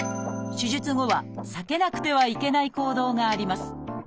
手術後は避けなくてはいけない行動があります。